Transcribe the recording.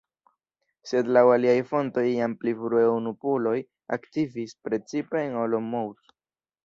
Sed laŭ aliaj fontoj jam pli frue unuopuloj aktivis, precipe en Olomouc.